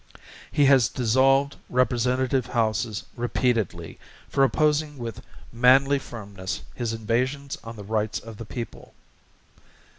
He has dissolved Representative Houses repeatedly, for opposing with manly firmness his invasions on the rights of the people.